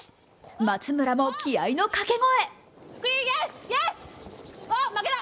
松村も気合いの掛け声。